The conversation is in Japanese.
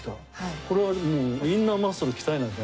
これはもうインナーマッスルを鍛えなきゃ。